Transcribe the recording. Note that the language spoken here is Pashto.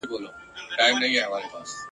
خدایه بیا هغه محشر دی اختر بیا په وینو سور دی !.